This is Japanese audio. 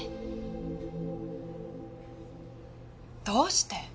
どうして？